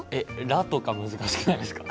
「ら」とか難しくないですか？